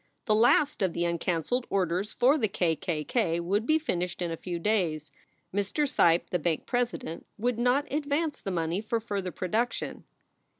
The last of the uncanceled orders for the K K K would be finished in a few days. Mr. Seipp, the bank president, would not advance the money for further production.